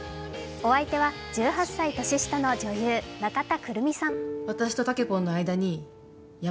お相手は１８歳年下の女優・中田クルミさん。